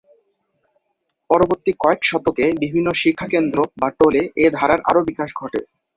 পরবর্তী কয়েক শতকে বিভিন্ন শিক্ষাকেন্দ্র বা টোলে এ ধারার আরও বিকাশ ঘটে।